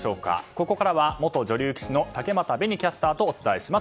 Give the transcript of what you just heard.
ここからは元女流棋士の竹俣紅キャスターとお伝えします。